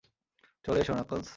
চলে এসো, নাকলস।